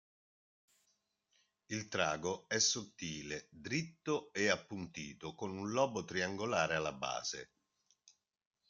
Il trago è sottile, diritto e appuntito, con un lobo triangolare alla base.